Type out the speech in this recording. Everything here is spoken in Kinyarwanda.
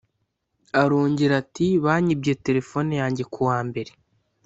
Arongera ati “Banyibye telefone yanjye ku wa Mbere